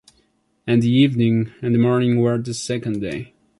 And the evening and the morning were the second day.